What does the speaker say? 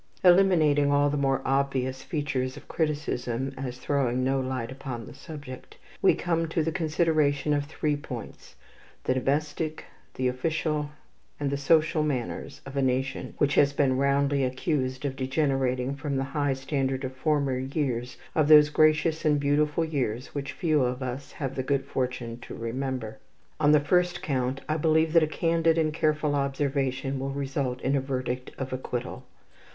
Eliminating all the more obvious features of criticism, as throwing no light upon the subject, we come to the consideration of three points, the domestic, the official, and the social manners of a nation which has been roundly accused of degenerating from the high standard of former years, of those gracious and beautiful years which few of us have the good fortune to remember. On the first count, I believe that a candid and careful observation will result in a verdict of acquittal.